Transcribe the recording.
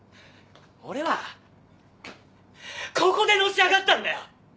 俺はここでのし上がったんだよ！